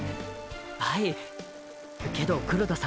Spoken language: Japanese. はいけど黒田さん